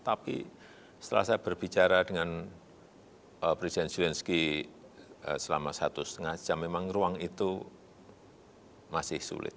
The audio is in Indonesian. tapi setelah saya berbicara dengan presiden zelensky selama satu setengah jam memang ruang itu masih sulit